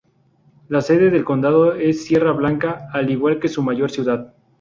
La sede del condado es Sierra Blanca, al igual que su mayor ciudad.